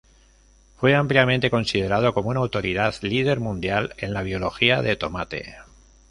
Fue ampliamente considerado como una autoridad líder mundial en la biología de tomate.